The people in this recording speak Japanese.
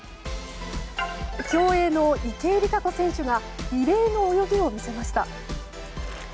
競泳の池江璃花子選手が異例の泳ぎを見せました。